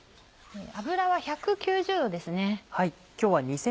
油は１９０℃ですね。